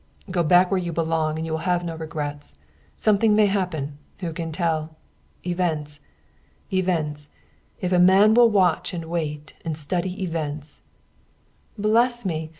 "Go back where you belong and you will have no regrets. Something may happen who can tell? Events events if a man will watch and wait and study events " "Bless me!